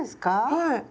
はい。